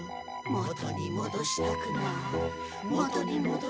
元にもどしたくなる。